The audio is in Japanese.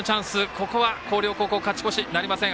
ここは広陵高校勝ち越しなりません。